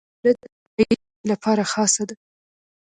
پیاله د ملای د چای لپاره خاصه ده.